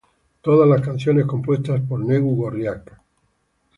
Todas las canciones compuestas por Negu Gorriak.